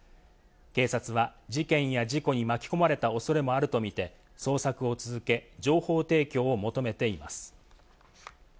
警察は、事件や事故に巻き込まれた恐れもあるとみて捜索を続け、情報提供を求めています。